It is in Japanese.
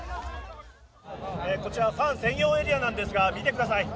こちらファン専用エリアなんですが見てください